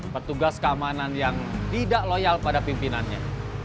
petugas keamanan yang tidak loyal pada pimpinannya